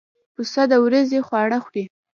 پسه د ورځې خواړه خوري.